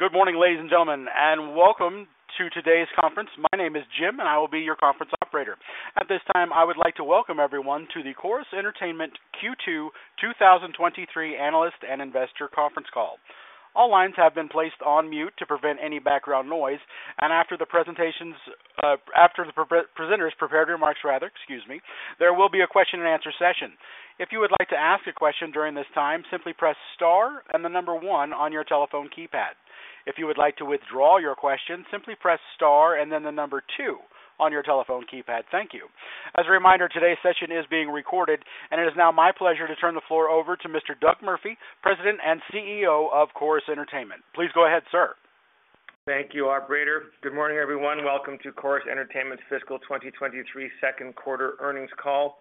Good morning, ladies and gentlemen, an d welcome to today's conference. My name is Jim, and I will be your conference operator. At this time, I would like to welcome everyone to the Corus Entertainment Q2 2023 Analyst and Investor Conference Call. All lines have been placed on mute to prevent any background noise. After the presenters prepared remarks rather, excuse me, there will be a question-and-answer session. If you would like to ask a question during this time, simply press star and the number one on your telephone keypad. If you would like to withdraw your question, simply press star and then the number two on your telephone keypad. Thank you. As a reminder, today's session is being recorded, and it is now my pleasure to turn the floor over to Mr. Doug Murphy, President and CEO of Corus Entertainment. Please go ahead, sir. Thank you, operator. Good morning, everyone. Welcome to Corus Entertainment's fiscal 2023 second quarter earnings call.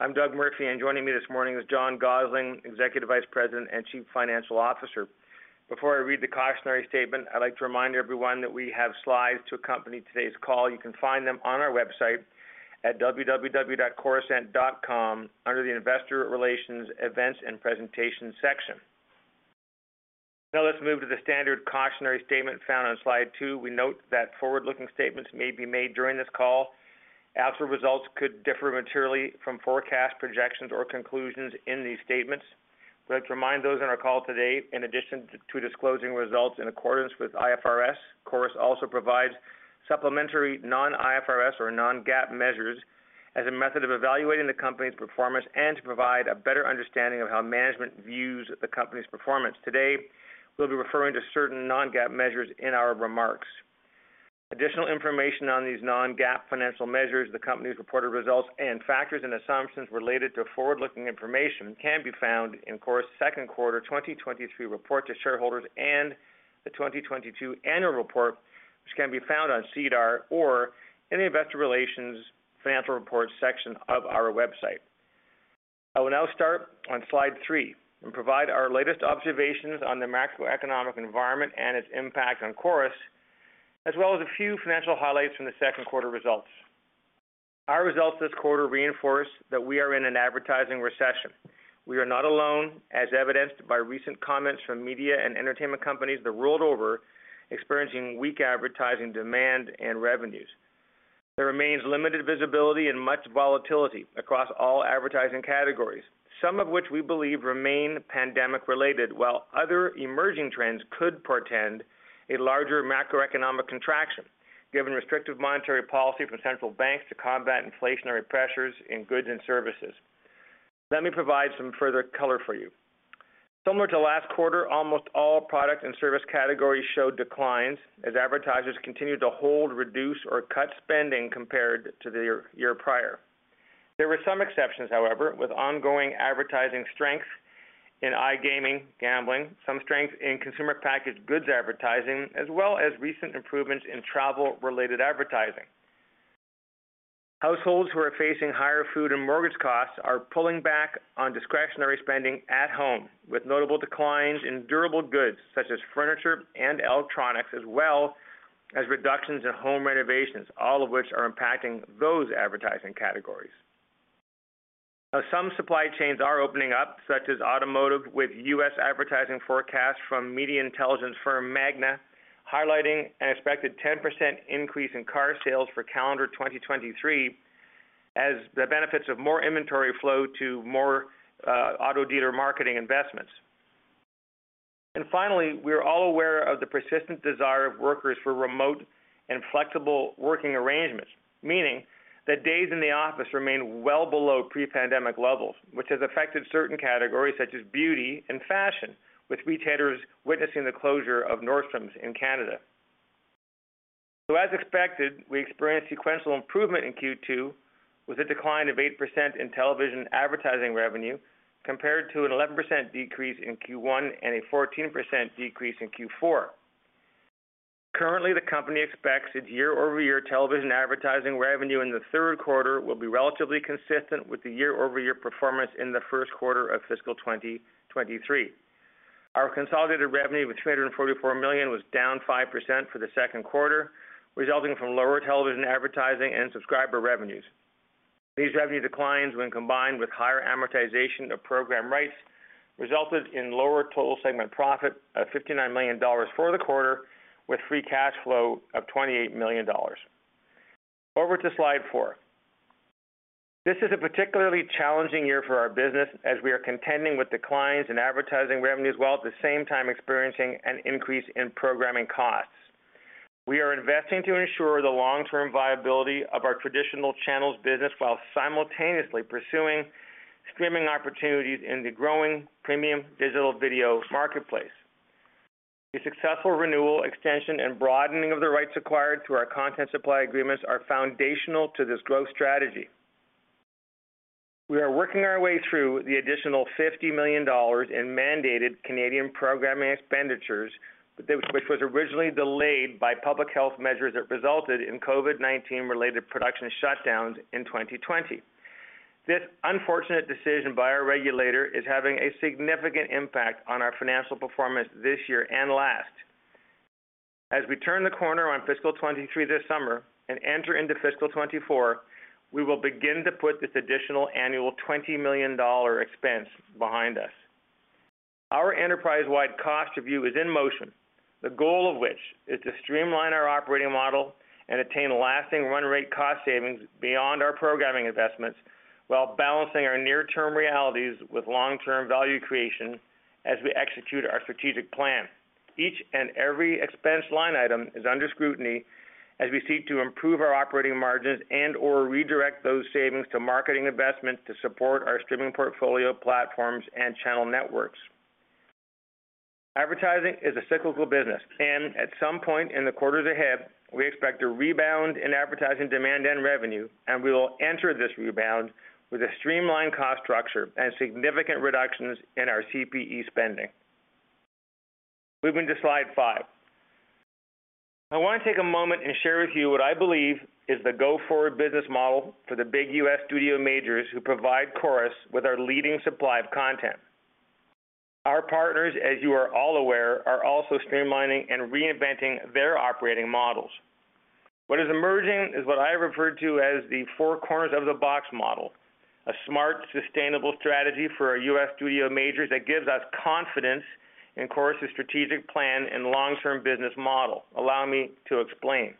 I'm Doug Murphy. Joining me this morning is John Gossling, Executive Vice President and Chief Financial Officer. Before I read the cautionary statement, I'd like to remind everyone that we have slides to accompany today's call. You can find them on our website at www.corusent.com under the Investor Relations, Events and Presentation section. Let's move to the standard cautionary statement found on slide two. We note that forward-looking statements may be made during this call. Actual results could differ materially from forecasts, projections, or conclusions in these statements. We'd like to remind those on our call today, in addition to disclosing results in accordance with IFRS, Corus also provides supplementary non-IFRS or non-GAAP measures as a method of evaluating the company's performance and to provide a better understanding of how management views the company's performance. Today, we'll be referring to certain non-GAAP measures in our remarks. Additional information on these non-GAAP financial measures, the company's reported results, and factors and assumptions related to forward-looking information can be found in Corus' second quarter 2023 report to shareholders and the 2022 annual report, which can be found on SEDAR or in the Investor Relations Financial Reports section of our website. I will now start on slide three and provide our latest observations on the macroeconomic environment and its impact on Corus, as well as a few financial highlights from the second quarter results. Our results this quarter reinforce that we are in an advertising recession. We are not alone, as evidenced by recent comments from media and entertainment companies that rolled over, experiencing weak advertising demand and revenues. There remains limited visibility and much volatility across all advertising categories, some of which we believe remain pandemic-related, while other emerging trends could portend a larger macroeconomic contraction, given restrictive monetary policy from central banks to combat inflationary pressures in goods and services. Let me provide some further color for you. Similar to last quarter, almost all product and service categories showed declines as advertisers continued to hold, reduce or cut spending compared to the year prior. There were some exceptions, however, with ongoing advertising strength in iGaming, gambling, some strength in consumer packaged goods advertising, as well as recent improvements in travel-related advertising. Households who are facing higher food and mortgage costs are pulling back on discretionary spending at home, with notable declines in durable goods such as furniture and electronics, as well as reductions in home renovations, all of which are impacting those advertising categories. Some supply chains are opening up, such as automotive, with U.S. advertising forecasts from media intelligence firm MAGNA, highlighting an expected 10% increase in car sales for calendar 2023, as the benefits of more inventory flow to more auto dealer marketing investments. Finally, we are all aware of the persistent desire of workers for remote and flexible working arrangements, meaning that days in the office remain well below pre-pandemic levels, which has affected certain categories such as beauty and fashion, with retailers witnessing the closure of Nordstrom in Canada. As expected, we experienced sequential improvement in Q2 with a decline of 8% in television advertising revenue compared to an 11% decrease in Q1 and a 14% decrease in Q4. Currently, the company expects its year-over-year television advertising revenue in the third quarter will be relatively consistent with the year-over-year performance in the first quarter of fiscal 2023. Our consolidated revenue of 344 million was down 5% for the second quarter, resulting from lower television advertising and subscriber revenues. These revenue declines, when combined with higher amortization of program rights, resulted in lower total segment profit of 59 million dollars for the quarter, with free cash flow of 28 million dollars. Over to slide four. This is a particularly challenging year for our business as we are contending with declines in advertising revenues, while at the same time experiencing an increase in programming costs. We are investing to ensure the long-term viability of our traditional channels business while simultaneously pursuing streaming opportunities in the growing premium digital video marketplace. The successful renewal, extension, and broadening of the rights acquired through our content supply agreements are foundational to this growth strategy. We are working our way through the additional 50 million dollars in mandated Canadian programming expenditures, which was originally delayed by public health measures that resulted in COVID-19-related production shutdowns in 2020. This unfortunate decision by our regulator is having a significant impact on our financial performance this year and last. As we turn the corner on fiscal 2023 this summer and enter into fiscal 2024, we will begin to put this additional annual 20 million dollar expense behind us. Our enterprise-wide cost review is in motion, the goal of which is to streamline our operating model and attain lasting run rate cost savings beyond our programming investments, while balancing our near term realities with long-term value creation as we execute our strategic plan. Each and every expense line item is under scrutiny as we seek to improve our operating margins and/or redirect those savings to marketing investments to support our streaming portfolio platforms and channel networks. Advertising is a cyclical business. At some point in the quarters ahead, we expect a rebound in advertising demand and revenue, and we will enter this rebound with a streamlined cost structure and significant reductions in our CPE spending. Moving to slide five. I want to take a moment and share with you what I believe is the go forward business model for the big U.S. studio majors who provide Corus with our leading supply of content. Our partners, as you are all aware, are also streamlining and reinventing their operating models. What is emerging is what I refer to as the four corners of the box model, a smart, sustainable strategy for our U.S. studio majors that gives us confidence in Corus's strategic plan and long-term business model. Allow me to explain.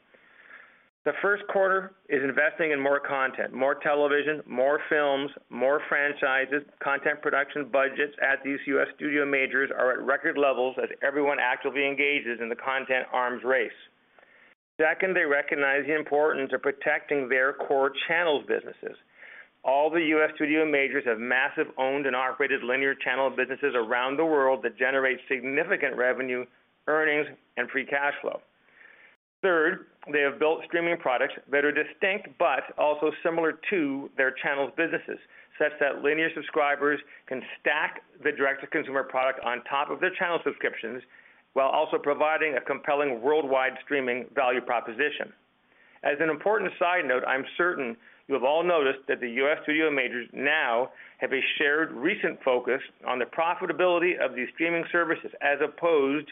The first quarter is investing in more content, more television, more films, more franchises. Content production budgets at these U.S. studio majors are at record levels as everyone actively engages in the content arms race. Second, they recognize the importance of protecting their core channels businesses. All the U.S. studio majors have massive owned and operated linear channel businesses around the world that generate significant revenue, earnings, and free cash flow. Third, they have built streaming products that are distinct but also similar to their channels businesses, such that linear subscribers can stack the direct to consumer product on top of their channel subscriptions while also providing a compelling worldwide streaming value proposition. As an important side note, I'm certain you have all noticed that the U.S. studio majors now have a shared recent focus on the profitability of these streaming services as opposed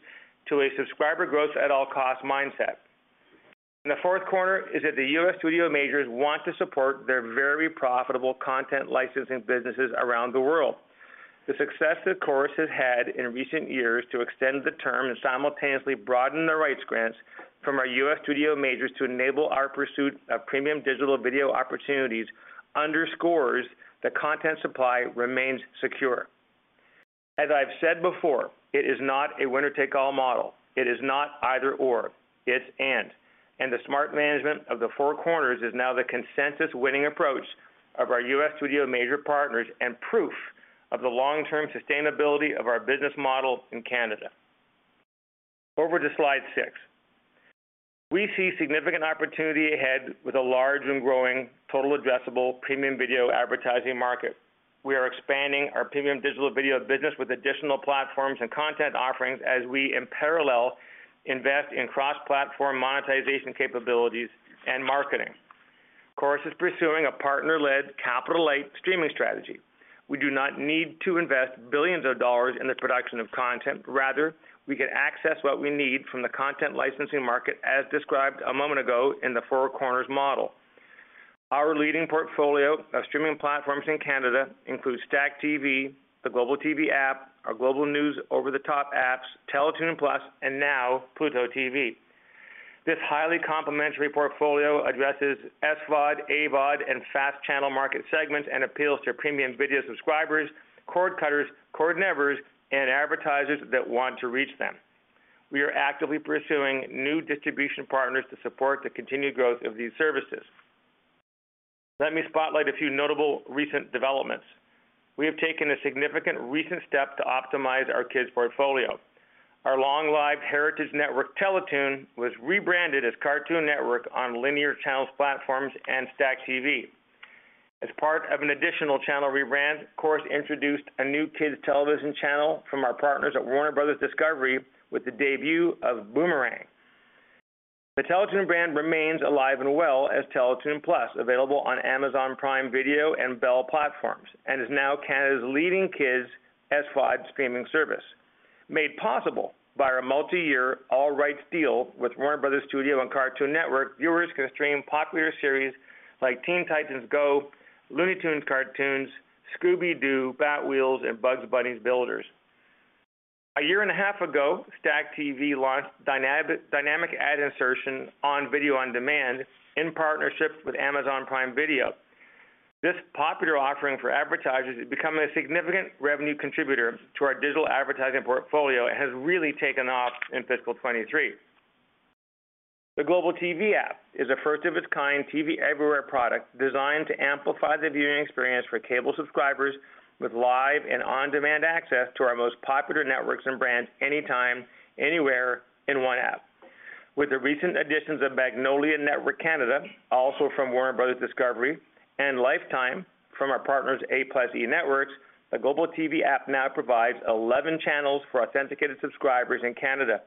to a subscriber growth at all costs mindset. The fourth corner is that the U.S. studio majors want to support their very profitable content licensing businesses around the world. The success that Corus has had in recent years to extend the term and simultaneously broaden the rights grants from our U.S. studio majors to enable our pursuit of premium digital video opportunities underscores the content supply remains secure. As I've said before, it is not a winner take all model. It is not either/or, it's and. The smart management of the four corners is now the consensus winning approach of our U.S. studio major partners and proof of the long-term sustainability of our business model in Canada. Over to slide six. We see significant opportunity ahead with a large and growing total addressable premium video advertising market. We are expanding our premium digital video business with additional platforms and content offerings as we, in parallel, invest in cross-platform monetization capabilities and marketing. Corus is pursuing a partner-led capital-light streaming strategy. We do not need to invest billions of dollars in the production of content. Rather, we can access what we need from the content licensing market as described a moment ago in the four corners model. Our leading portfolio of streaming platforms in Canada includes STACKTV, the Global TV App, our Global News over-the-top apps, TELETOON+, and now Pluto TV. This highly complimentary portfolio addresses SVOD, AVOD, and FAST channel market segments and appeals to premium video subscribers, cord cutters, cord nevers, and advertisers that want to reach them. We are actively pursuing new distribution partners to support the continued growth of these services. Let me spotlight a few notable recent developments. We have taken a significant recent step to optimize our kids portfolio. Our long-lived heritage network, Teletoon, was rebranded as Cartoon Network on linear channels platforms, and STACKTV. As part of an additional channel rebrand, Corus introduced a new kids television channel from our partners at Warner Bros. Discovery with the debut of Boomerang. The Teletoon brand remains alive and well as TELETOON+, available on Amazon Prime Video and Bell platforms, and is now Canada's leading kids SVOD streaming service. Made possible by our multi-year all rights deal with Warner Bros. and Cartoon Network, viewers can stream popular series like Teen Titans Go!, Looney Tunes cartoons, Scooby-Doo, Batwheels, and Bugs Bunny Builders. A year and a half ago, STACKTV launched dynamic ad insertion on video on demand in partnership with Amazon Prime Video. This popular offering for advertisers has become a significant revenue contributor to our digital advertising portfolio and has really taken off in fiscal 23. The Global TV App is a first of its kind TV everywhere product designed to amplify the viewing experience for cable subscribers with live and on-demand access to our most popular networks and brands anytime, anywhere, in one app. With the recent additions of Magnolia Network Canada, also from Warner Bros. Discovery, and Lifetime from our partners, A+E Networks, the Global TV App now provides 11 channels for authenticated subscribers in Canada.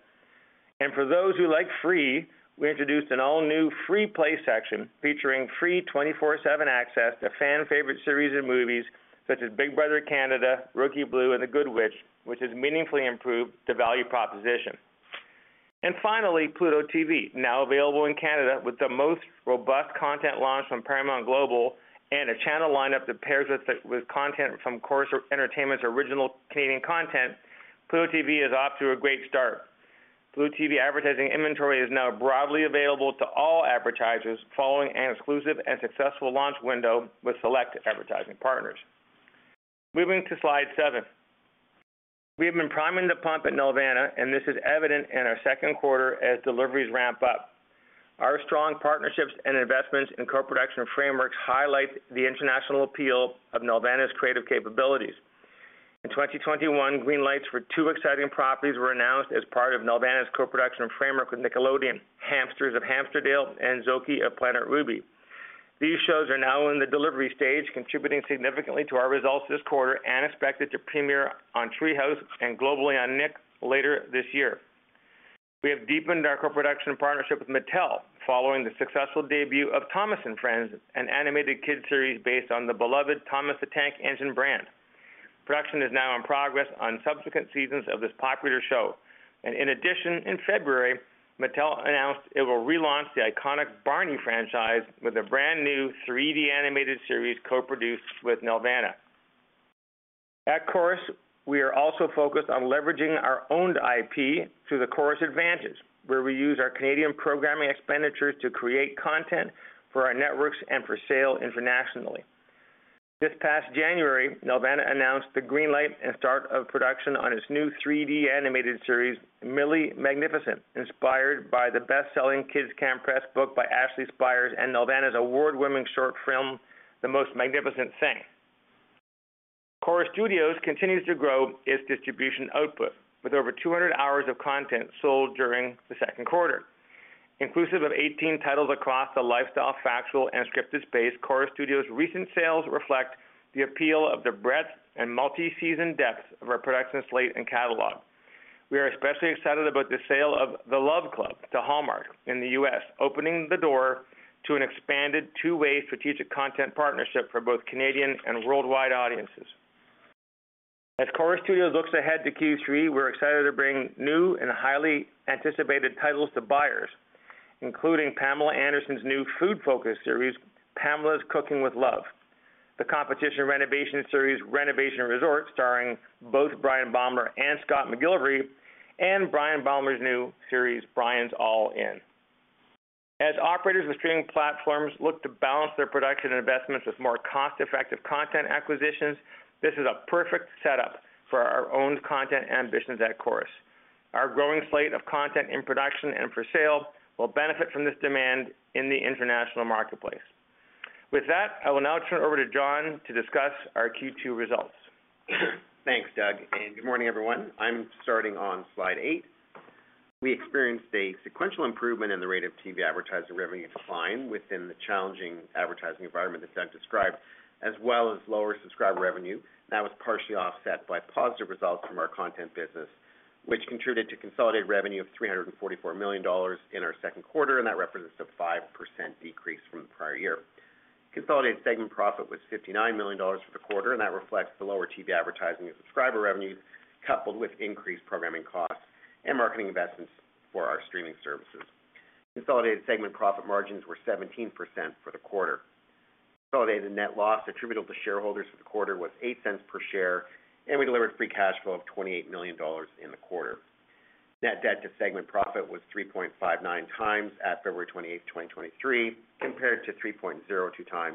For those who like free, we introduced an all-new free play section featuring free 24/7 access to fan favorite series and movies such as Big Brother Canada, Rookie Blue, and The Good Witch, which has meaningfully improved the value proposition. Finally, Pluto TV, now available in Canada with the most robust content launch from Paramount Global and a channel lineup that pairs us with content from Corus Entertainment's original Canadian content, Pluto TV is off to a great start. Pluto TV advertising inventory is now broadly available to all advertisers following an exclusive and successful launch window with select advertising partners. Moving to slide seven. We have been priming the pump at Nelvana, and this is evident in our second quarter as deliveries ramp up. Our strong partnerships and investments in co-production frameworks highlight the international appeal of Nelvana's creative capabilities. In 2021, green lights for two exciting properties were announced as part of Nelvana's co-production framework with Nickelodeon, Hamsters of Hamsterdale and Zokie of Planet Ruby. These shows are now in the delivery stage, contributing significantly to our results this quarter and expected to premiere on Treehouse and globally on Nick later this year. We have deepened our co-production partnership with Mattel following the successful debut of Thomas & Friends, an animated kid series based on the beloved Thomas the Tank Engine brand. Production is now in progress on subsequent seasons of this popular show. In addition, in February, Mattel announced it will relaunch the iconic Barney franchise with a brand new 3D animated series co-produced with Nelvana. At Corus, we are also focused on leveraging our owned IP through the Corus advantage, where we use our Canadian programming expenditures to create content for our networks and for sale internationally. This past January, Nelvana announced the green light and start of production on its new 3D animated series, Millie Magnificent, inspired by the best-selling Kids Can Press book by Ashley Spires and Nelvana's award-winning short film, The Most Magnificent Thing. Corus Studios continues to grow its distribution output, with over 200 hours of content sold during the second quarter. Inclusive of 18 titles across the lifestyle, factual, and scripted space, Corus Studios' recent sales reflect the appeal of the breadth and multi-season depth of our production slate and catalog. We are especially excited about the sale of The Love Club to Hallmark in the U.S., opening the door to an expanded two-way strategic content partnership for both Canadian and worldwide audiences. Corus Studios looks ahead to Q3, we're excited to bring new and highly anticipated titles to buyers, including Pamela Anderson's new food-focused series, Pamela's Cooking With Love, the competition renovation series, Renovation Resort, starring both Bryan Baeumler and Scott McGillivray, and Bryan Baeumler's new series, Bryan's All In. Operators of streaming platforms look to balance their production investments with more cost-effective content acquisitions, this is a perfect setup for our owned content ambitions at Corus. Our growing slate of content in production and for sale will benefit from this demand in the international marketplace. I will now turn over to John to discuss our Q2 results. Thanks, Doug. Good morning, everyone. I'm starting on slide eight. We experienced a sequential improvement in the rate of TV advertising revenue decline within the challenging advertising environment that Doug described, as well as lower subscriber revenue. That was partially offset by positive results from our content business, which contributed to consolidated revenue of 344 million dollars in our 2Q, that represents a 5% decrease from the prior year. Consolidated segment profit was 59 million dollars for the quarter, that reflects the lower TV advertising and subscriber revenues, coupled with increased programming costs and marketing investments for our streaming services. Consolidated segment profit margins were 17% for the quarter. Consolidated net loss attributable to shareholders for the quarter was 0.08 per share, we delivered free cash flow of 28 million dollars in the quarter. Net debt to segment profit was 3.59x at February 28, 2023, compared to 3.02x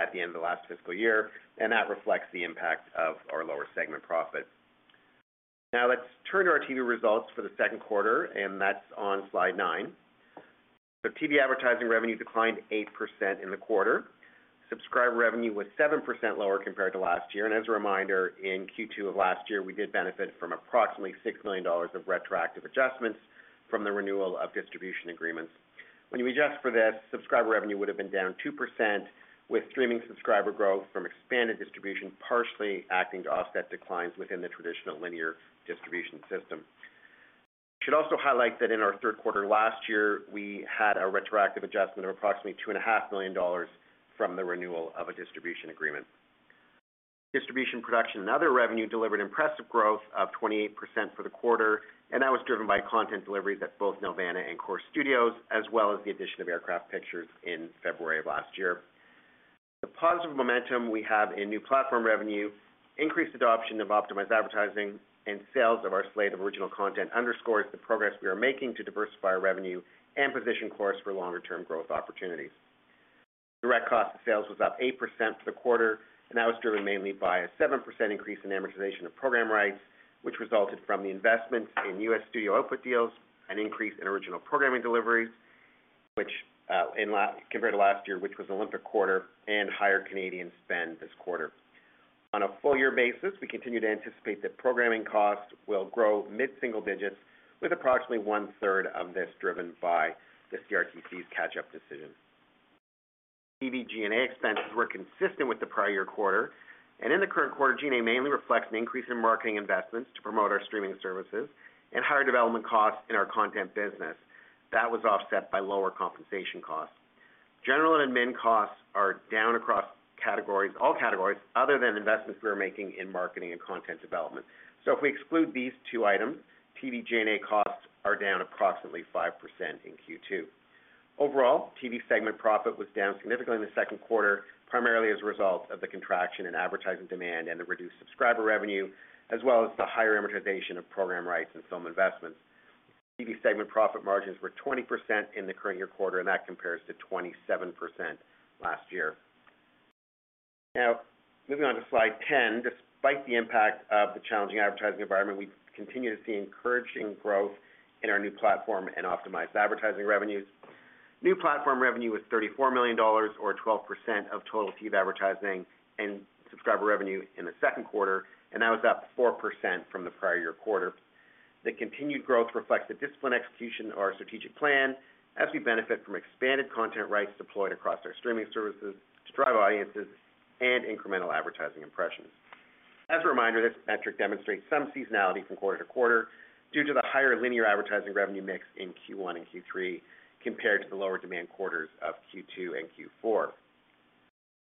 at the end of the last fiscal year, and that reflects the impact of our lower segment profit. Now let's turn to our TV results for the second quarter, and that's on slide nine. TV advertising revenue declined 8% in the quarter. Subscriber revenue was 7% lower compared to last year. As a reminder, in Q2 of last year, we did benefit from approximately 6 million dollars of retroactive adjustments from the renewal of distribution agreements. When you adjust for this, subscriber revenue would have been down 2% with streaming subscriber growth from expanded distribution partially acting to offset declines within the traditional linear distribution system. Should also highlight that in our third quarter last year, we had a retroactive adjustment of approximately 2.5 million dollars from the renewal of a distribution agreement. Distribution production in other revenue delivered an impressive growth of 28% for the quarter and that was driven by content deliveries at both Nelvana and Corus Studios, as well as the addition of Aircraft Pictures in February of last year. The positive momentum we have in new platform revenue, increased adoption of optimized advertising, and sales of our slate of original content underscores the progress we are making to diversify our revenue and position Corus for longer-term growth opportunities. Direct cost of sales was up 8% for the quarter. That was driven mainly by a 7% increase in amortization of program rights, which resulted from the investments in U.S. studio output deals, an increase in original programming deliveries, which compared to last year, which was an Olympic quarter and higher Canadian spend this quarter. On a full year basis, we continue to anticipate that programming costs will grow mid-single digits with approximately 1/3 of this driven by the CRTC's catch-up decision. TV G&A expenses were consistent with the prior year quarter. In the current quarter, G&A mainly reflects an increase in marketing investments to promote our streaming services and higher development costs in our content business. That was offset by lower compensation costs. General and admin costs are down across categories, all categories other than investments we are making in marketing and content development. If we exclude these two items, TV G&A costs are down approximately 5% in Q2. Overall, TV segment profit was down significantly in the second quarter, primarily as a result of the contraction in advertising demand and the reduced subscriber revenue, as well as the higher amortization of program rights and film investments. TV segment profit margins were 20% in the current year quarter, and that compares to 27% last year. Moving on to slide 10. Despite the impact of the challenging advertising environment, we continue to see encouraging growth in our new platform and optimized advertising revenues. New platform revenue was 34 million dollars, or 12% of total TV advertising and subscriber revenue in the second quarter, and that was up 4% from the prior year quarter. The continued growth reflects the disciplined execution of our strategic plan as we benefit from expanded content rights deployed across our streaming services to drive audiences and incremental advertising impressions. As a reminder, this metric demonstrates some seasonality from quarter to quarter due to the higher linear advertising revenue mix in Q1 and Q3 compared to the lower demand quarters of Q2 and Q4.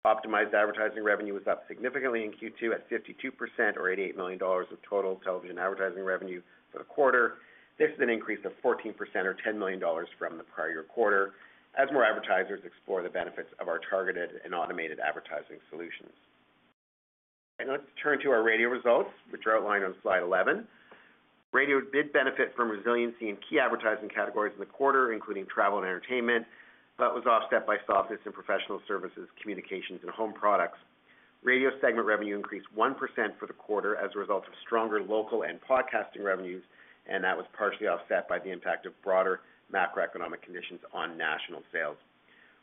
Optimized advertising revenue was up significantly in Q2 at 52% or 88 million dollars of total television advertising revenue for the quarter. This is an increase of 14% or 10 million dollars from the prior year quarter as more advertisers explore the benefits of our targeted and automated advertising solutions. Let's turn to our radio results, which are outlined on slide 11. Radio did benefit from resiliency in key advertising categories in the quarter, including travel and entertainment, but was offset by softness in professional services, communications and home products. Radio segment revenue increased 1% for the quarter as a result of stronger local and podcasting revenues. That was partially offset by the impact of broader macroeconomic conditions on national sales.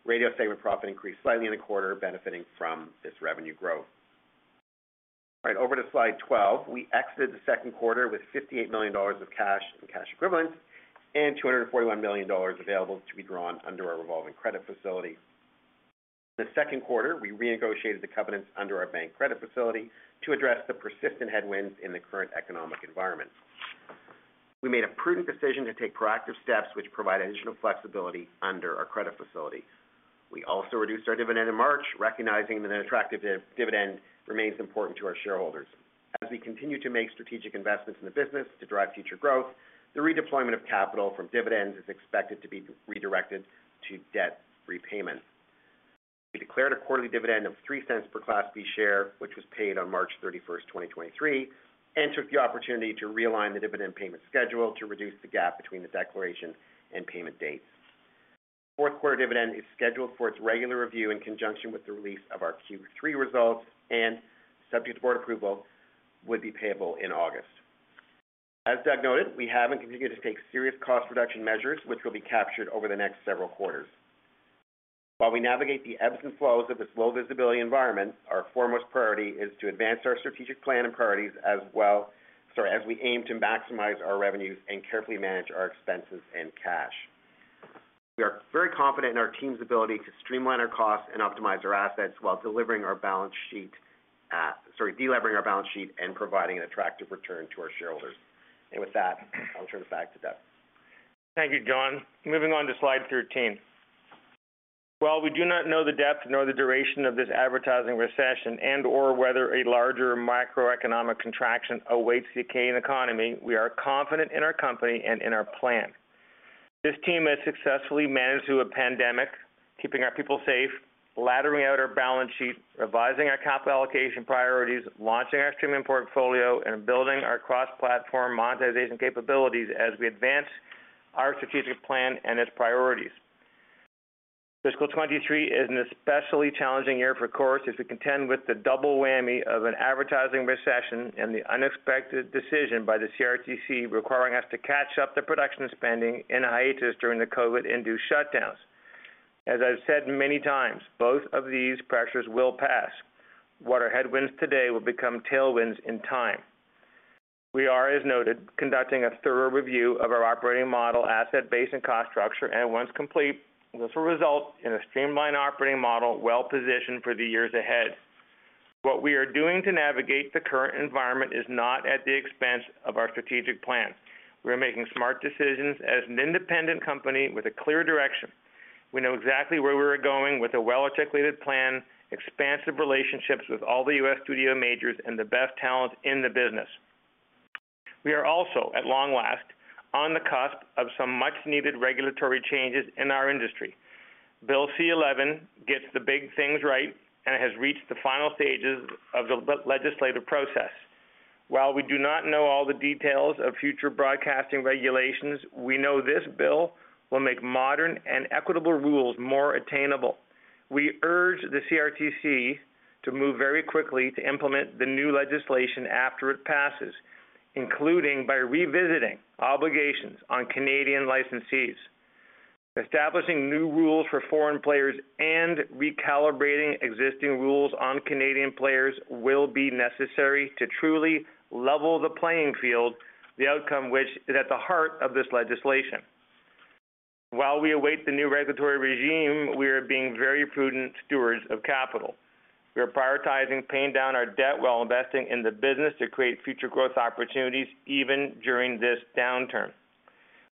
Radio segment profit increased slightly in the quarter, benefiting from this revenue growth. All right, over to slide 12. We exited the second quarter with 58 million dollars of cash and cash equivalents and 241 million dollars available to be drawn under our revolving credit facility. In the second quarter, we renegotiated the covenants under our bank credit facility to address the persistent headwinds in the current economic environment. We made a prudent decision to take proactive steps which provide additional flexibility under our credit facility. We also reduced our dividend in March, recognizing that an attractive dividend remains important to our shareholders. As we continue to make strategic investments in the business to drive future growth, the redeployment of capital from dividends is expected to be redirected to debt repayment. We declared a quarterly dividend of 0.03 per Class B share, which was paid on March 31st, 2023, and took the opportunity to realign the dividend payment schedule to reduce the gap between the declaration and payment dates. Fourth quarter dividend is scheduled for its regular review in conjunction with the release of our Q3 results and, subject to board approval, would be payable in August. As Doug noted, we have and continue to take serious cost reduction measures which will be captured over the next several quarters. While we navigate the ebbs and flows of this low visibility environment, our foremost priority is to advance our strategic plan and priorities as well, sorry, as we aim to maximize our revenues and carefully manage our expenses and cash. We are very confident in our team's ability to streamline our costs and optimize our assets while sorry, delevering our balance sheet and providing an attractive return to our shareholders. With that, I'll turn it back to Doug. Thank you, John. Moving on to slide 13. While we do not know the depth nor the duration of this advertising recession and/or whether a larger macroeconomic contraction awaits the Canadian economy, we are confident in our company and in our plan. This team has successfully managed through a pandemic, keeping our people safe, laddering out our balance sheet, revising our capital allocation priorities, launching our streaming portfolio, and building our cross-platform monetization capabilities as we advance our strategic plan and its priorities. Fiscal 2023 is an especially challenging year for Corus as we contend with the double whammy of an advertising recession and the unexpected decision by the CRTC requiring us to catch up the production spending in a hiatus during the COVID induced shutdowns. As I've said many times, both of these pressures will pass. What are headwinds today will become tailwinds in time. We are, as noted, conducting a thorough review of our operating model, asset base and cost structure, and once complete, this will result in a streamlined operating model, well positioned for the years ahead. What we are doing to navigate the current environment is not at the expense of our strategic plan. We are making smart decisions as an independent company with a clear direction. We know exactly where we are going with a well-articulated plan, expansive relationships with all the U.S. studio majors and the best talent in the business. We are also, at long last, on the cusp of some much needed regulatory changes in our industry. Bill C-11 gets the big things right and has reached the final stages of the legislative process. While we do not know all the details of future broadcasting regulations, we know this bill will make modern and equitable rules more attainable. We urge the CRTC to move very quickly to implement the new legislation after it passes, including by revisiting obligations on Canadian licensees. Establishing new rules for foreign players and recalibrating existing rules on Canadian players will be necessary to truly level the playing field, the outcome which is at the heart of this legislation. While we await the new regulatory regime, we are being very prudent stewards of capital. We are prioritizing paying down our debt while investing in the business to create future growth opportunities even during this downturn.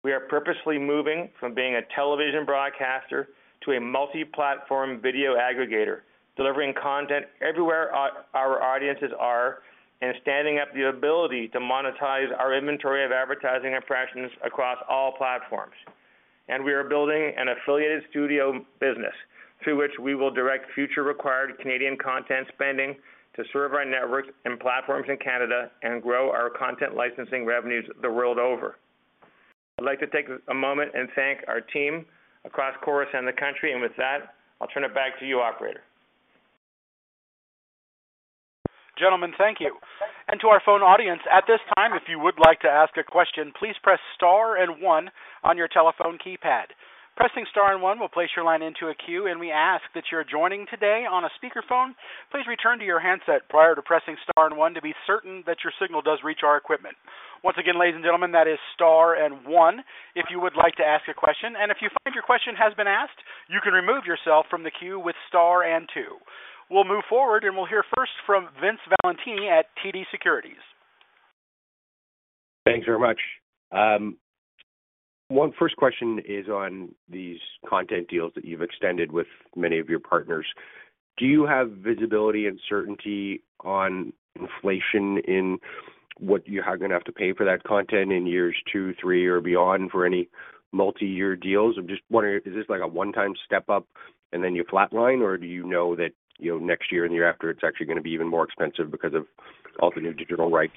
We are purposely moving from being a television broadcaster to a multi-platform video aggregator, delivering content everywhere our audiences are, and standing up the ability to monetize our inventory of advertising impressions across all platforms. We are building an affiliated studio business through which we will direct future required Canadian content spending to serve our networks and platforms in Canada and grow our content licensing revenues the world over. I'd like to take a moment and thank our team across Corus and the country. With that, I'll turn it back to you, operator. Gentlemen, thank you. To our phone audience, at this time, if you would like to ask a question, please press star and one on your telephone keypad. Pressing star and one will place your line into a queue. We ask that you're joining today on a speaker phone. Please return to your handset prior to pressing star and one to be certain that your signal does reach our equipment. Once again, ladies and gentlemen, that is star and one if you would like to ask a question. If you find your question has been asked, you can remove yourself from the queue with star and two. We'll move forward and we'll hear first from Vince Valentini at TD Securities. Thanks very much. One first question is on these content deals that you've extended with many of your partners. Do you have visibility and certainty on inflation in what you are going to have to pay for that content in years two, three or beyond for any multi-year deals? I'm just wondering, is this like a one-time step up and then you flat line? Or do you know that, you know, next year and the year after, it's actually going to be even more expensive because of all the new digital rights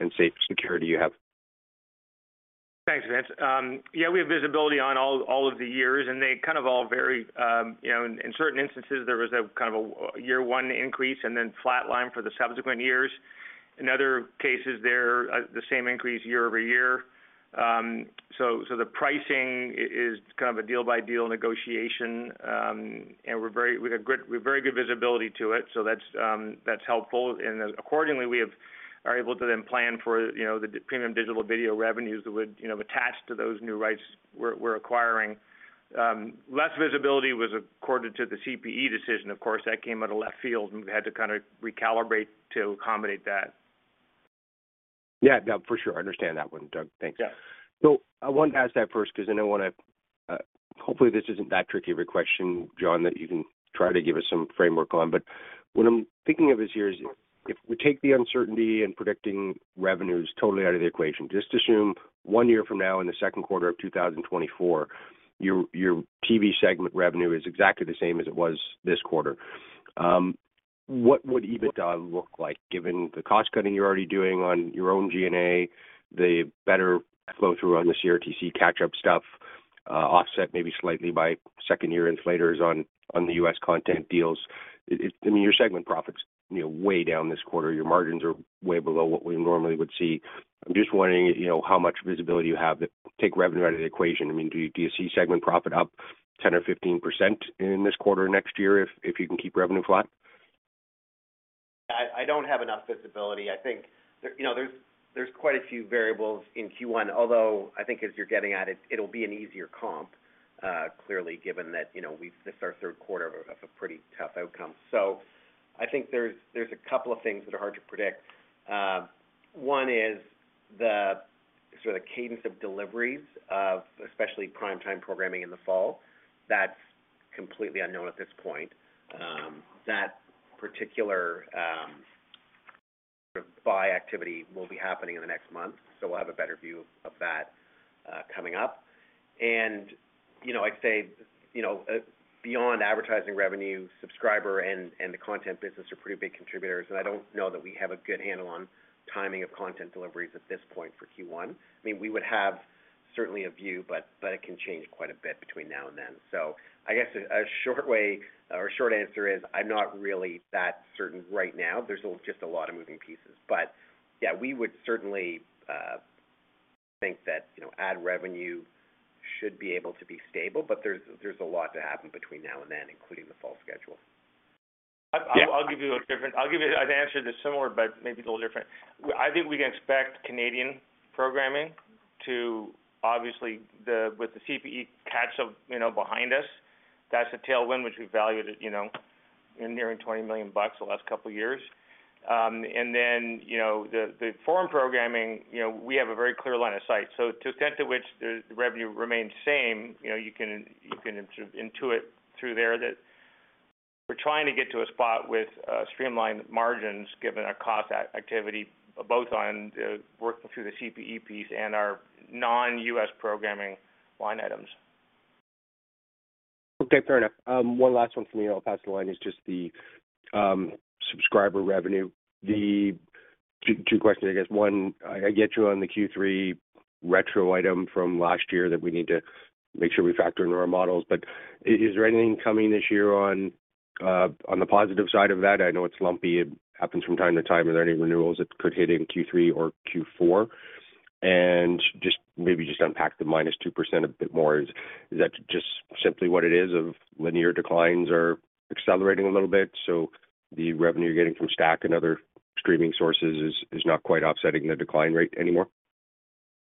and safe security you have? Thanks, Vince. Yeah, we have visibility on all of the years, and they kind of all vary. You know, in certain instances there was a kind of a year one increase and then flat line for the subsequent years. In other cases, they're the same increase year-over-year. The pricing is kind of a deal-by-deal negotiation. We've got very good visibility to it. That's, that's helpful. Accordingly, we are able to then plan for, you know, the premium digital video revenues that would, you know, attach to those new rights we're acquiring. Less visibility was according to the CPE decision, of course. That came out of left field and we had to kind of recalibrate to accommodate that. Yeah, no, for sure. I understand that one, Doug, thanks. Yeah. I wanted to ask that first because I know hopefully this isn't that tricky of a question, John, that you can try to give us some framework on? What I'm thinking of is here is if we take the uncertainty in predicting revenues totally out of the equation, just assume one year from now in the second quarter of 2024, your TV segment revenue is exactly the same as it was this quarter. What would EBITDA look like given the cost cutting you're already doing on your own G&A, the better flow through on the CRTC catch up stuff, offset maybe slightly by second year inflators on the U.S. content deals? I mean, your segment profits, you know, way down this quarter. Your margins are way below what we normally would see. I'm just wondering, you know, how much visibility you have that take revenue out of the equation. I mean, do you see segment profit up 10% or 15% in this quarter next year if you can keep revenue flat? I don't have enough visibility. I think you know, there's quite a few variables in Q1, although I think as you're getting at it'll be an easier comp, clearly, given that, you know, this is our third quarter of a pretty tough outcome. I think there's a couple of things that are hard to predict. One is the sort of cadence of deliveries of especially prime time programming in the fall. That's completely unknown at this point. That particular buy activity will be happening in the next month, so we'll have a better view of that coming up. You know, I'd say, you know, beyond advertising revenue, subscriber and the content business are pretty big contributors, and I don't know that we have a good handle on timing of content deliveries at this point for Q1. I mean, we would have certainly a view, but it can change quite a bit between now and then. I guess a short way or short answer is I'm not really that certain right now. There's just a lot of moving pieces. Yeah, we would certainly think that, you know, ad revenue should be able to be stable. There's a lot to happen between now and then, including the fall schedule. I'd answer this similar, but maybe a little different. I think we can expect Canadian programming to obviously with the CPE catch up, you know, behind us, that's a tailwind which we valued at, you know, in nearing 20 million bucks the last couple of years. You know, the foreign programming, you know, we have a very clear line of sight. To the extent to which the revenue remains same, you know, you can, you can intuit through there that we're trying to get to a spot with streamlined margins given our cost activity, both on working through the CPE piece and our non-U.S. programming line items. Okay, fair enough. One last one for me, I'll pass the line, is just the subscriber revenue. Two questions, I guess. One, I get you on the Q3 retro item from last year that we need to make sure we factor into our models. Is there anything coming this year on the positive side of that? I know it's lumpy. It happens from time to time. Are there any renewals that could hit in Q3 or Q4? Maybe just unpack the -2% a bit more. Is that just simply what it is of linear declines are accelerating a little bit, so the revenue you're getting from STACKTV and other streaming sources is not quite offsetting the decline rate anymore?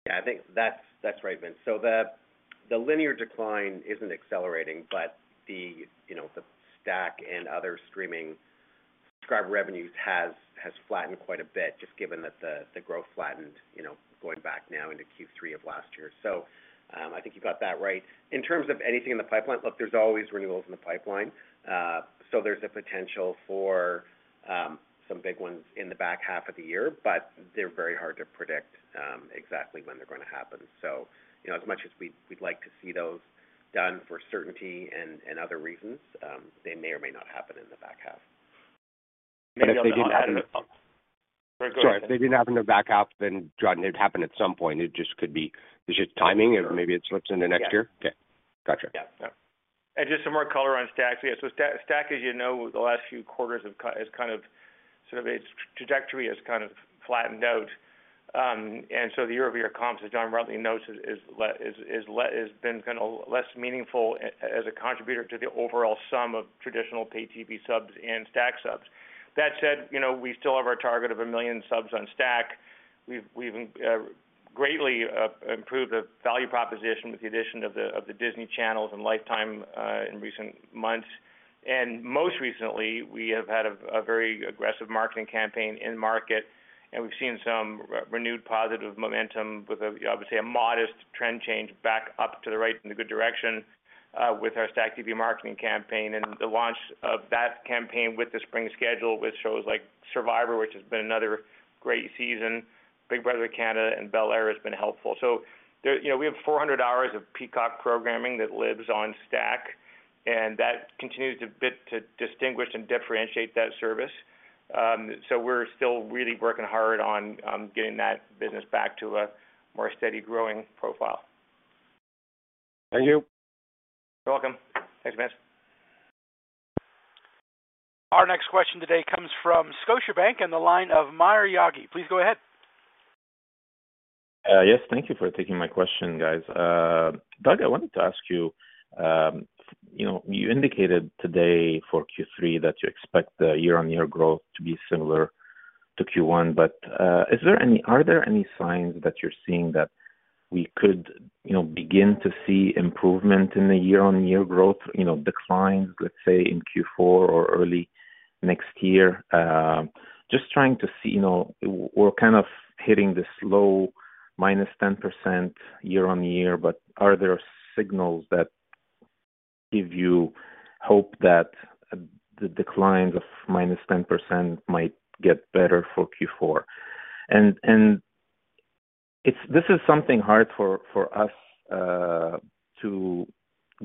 I think that's right, Vince. The linear decline isn't accelerating, but the, you know, the STACKTV and other streaming subscriber revenues has flattened quite a bit just given that the growth flattened, you know, going back now into Q3 of last year. I think you got that right. In terms of anything in the pipeline, look, there's always renewals in the pipeline. There's a potential for some big ones in the back half of the year, but they're very hard to predict exactly when they're gonna happen. You know, as much as we'd like to see those done for certainty and other reasons, they may or may not happen in the back half. if they didn't happen- Go ahead. Sorry. If they didn't happen in the back half, then John, it happened at some point. It's just timing or maybe it slips into next year? Yeah. Okay. Gotcha. Yeah. Yeah. Just some more color on STACKTV. STACKTV, as you know, the last few quarters has kind of sort of its trajectory has kind of flattened out. The year-over-year comps, as John rightly notes, is less meaningful as a contributor to the overall sum of traditional pay TV subs and STACKTV subs. That said, you know, we still have our target of 1 million subs on STACKTV. We've greatly improved the value proposition with the addition of the Disney channels and Lifetime in recent months. Most recently, we have had a very aggressive marketing campaign in market, and we've seen some renewed positive momentum with a, obviously a modest trend change back up to the right in a good direction with our STACKTV marketing campaign and the launch of that campaign with the spring schedule with shows like Survivor, which has been another great season. Big Brother Canada and Bel-Air has been helpful. There, you know, we have 400 hours of Peacock programming that lives on STACKTV, and that continues to distinguish and differentiate that service. So we're still really working hard on getting that business back to a more steady growing profile. Thank you. You're welcome. Thanks, Vince. Our next question today comes from Scotiabank and the line of Maher Yaghi. Please go ahead. Yes, thank you for taking my question, guys. Doug, I wanted to ask you know, you indicated today for Q3 that you expect the year-on-year growth to be similar to Q1. Are there any signs that you're seeing that we could, you know, begin to see improvement in the year-on-year growth, you know, decline, let's say, in Q4 or early next year? Just trying to see, you know, we're kind of hitting this low -10% year-on-year, but are there signals that give you hope that the declines of -10% might get better for Q4? This is something hard for us to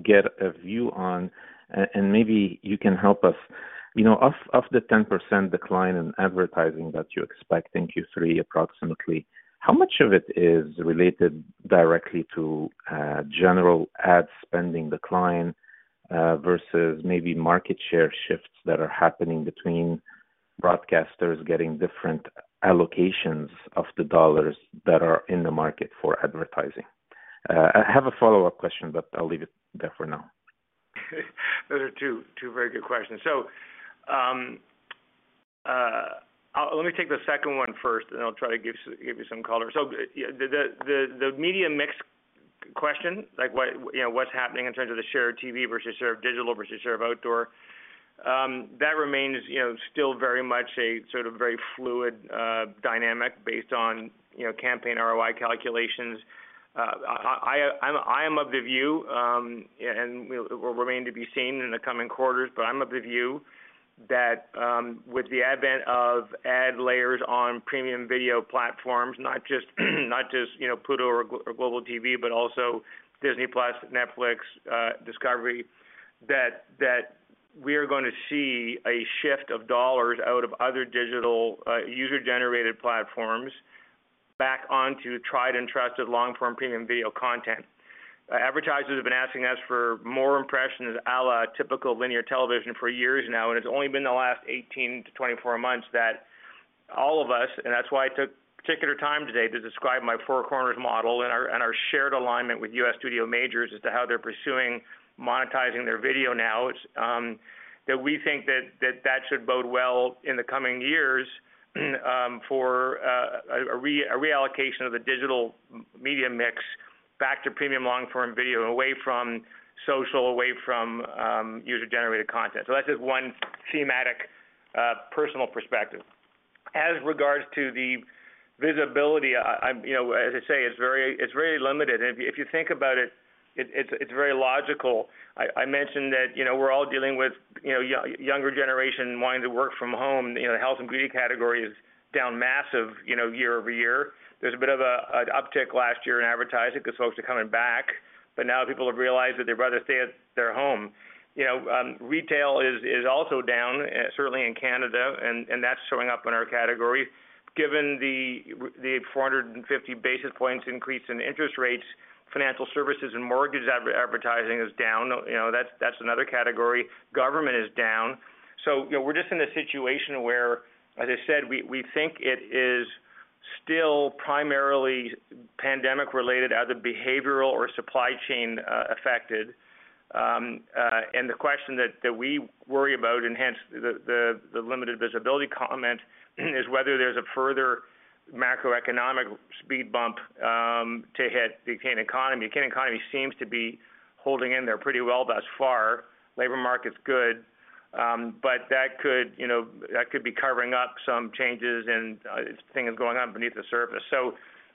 get a view on, and maybe you can help us. You know, of the 10% decline in advertising that you expect in Q3 approximately, how much of it is related directly to general ad spending decline versus maybe market share shifts that are happening between broadcasters getting different allocations of the dollars that are in the market for advertising? I have a follow-up question, but I'll leave it there for now. Those are two very good questions. Let me take the second one first, and I'll try to give you some color. Yeah, the media mix question, like what, you know, what's happening in terms of the share of TV versus share of digital versus share of outdoor, that remains, you know, still very much a sort of very fluid, dynamic based on, you know, campaign ROI calculations. I am of the view, and will remain to be seen in the coming quarters, but I'm of the view that with the advent of ad layers on premium video platforms, not just, you know, Pluto or Global TV, but also Disney+, Netflix, Discovery, that we are gonna see a shift of dollars out of other digital user-generated platforms back onto tried and trusted long-term premium video content. Advertisers have been asking us for more impressions a la typical linear television for years now, and it's only been the last 18-24 months that all of us, and that's why I took particular time today to describe my four corners model and our shared alignment with U.S. Studio majors as to how they're pursuing monetizing their video now. It's that we think that should bode well in the coming years for a reallocation of the digital media mix back to premium long-form video away from social, away from user-generated content. That's just one thematic personal perspective. As regards to the visibility, I'm, you know, as I say, it's very limited. If you think about it's very logical. I mentioned that, you know, we're all dealing with, you know, younger generation wanting to work from home. You know, the health and beauty category is down massive, you know, year-over-year. There's a bit of an uptick last year in advertising 'cause folks are coming back, but now people have realized that they'd rather stay at their home. You know, retail is also down, certainly in Canada, and that's showing up in our category. Given the 450 basis points increase in interest rates, financial services and mortgage advertising is down. You know, that's another category. Government is down. You know, we're just in a situation where, as I said, we think it is still primarily pandemic-related, either behavioral or supply chain affected. And the question that we worry about, and hence the limited visibility comment is whether there's a further macroeconomic speed bump to hit the Canadian economy. The Canadian economy seems to be holding in there pretty well thus far. Labor market's good, but that could, you know, be covering up some changes and things going on beneath the surface.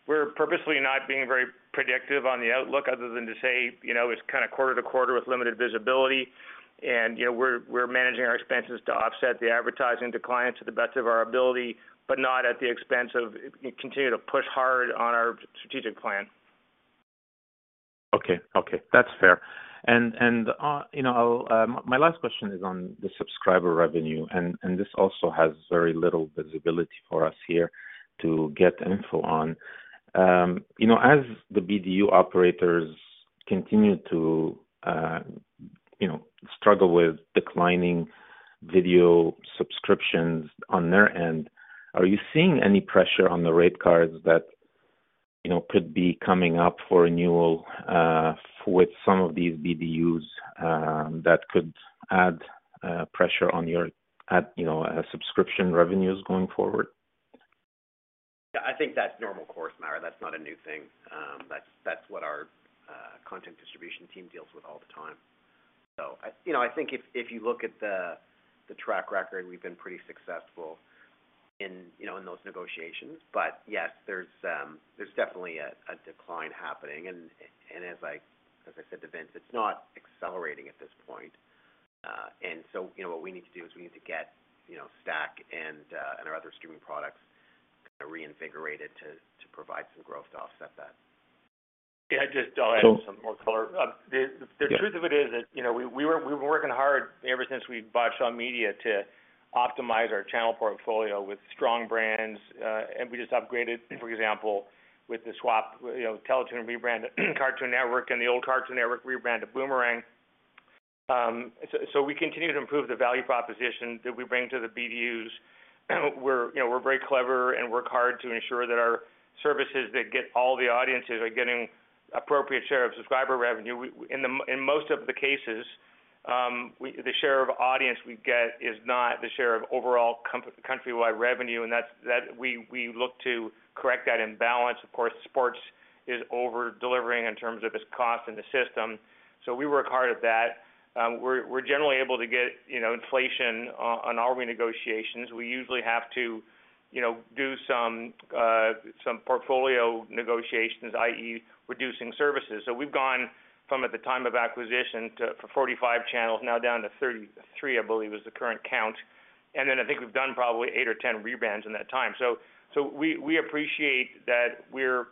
We're purposely not being very predictive on the outlook other than to say, you know, it's kind of quarter to quarter with limited visibility and, you know, we're managing our expenses to offset the advertising to clients to the best of our ability, but not at the expense of. We continue to push hard on our strategic plan. Okay. Okay. That's fair. You know, my last question is on the subscriber revenue, and this also has very little visibility for us here to get info on. You know, as the BDU operators continue to, you know, struggle with declining video subscriptions on their end, are you seeing any pressure on the rate cards that, you know, could be coming up for renewal, with some of these BDUs, that could add pressure on your subscription revenues going forward? Yeah. I think that's normal course, Maher. That's not a new thing. That's, that's what our content distribution team deals with all the time. You know, I think if you look at the track record, we've been pretty successful in, you know, in those negotiations. Yes, there's definitely a decline happening. As I said to Vince, it's not accelerating at this point. You know, what we need to do is we need to get, you know, STACKTV and our other streaming products kinda reinvigorated to provide some growth to offset that. Yeah, just I'll add some more color. Yeah. The truth of it is that, you know, we've been working hard ever since we bought Shaw Media to optimize our channel portfolio with strong brands. We just upgraded, for example, with the swap, you know, Teletoon rebrand, Cartoon Network, and the old Cartoon Network rebrand to Boomerang. We continue to improve the value proposition that we bring to the BDUs. We're, you know, we're very clever and work hard to ensure that our services that get all the audiences are getting appropriate share of subscriber revenue. In most of the cases, the share of audience we get is not the share of overall countrywide revenue, and that we look to correct that imbalance. Of course, sports is over-delivering in terms of its cost in the system, so we work hard at that. We're generally able to get, you know, inflation on all renegotiations. We usually have to, you know, do some portfolio negotiations, i.e., reducing services. We've gone from at the time of acquisition to 45 channels now down to 33, I believe is the current count. I think we've done probably eight or 10 rebrands in that time. So we appreciate that we're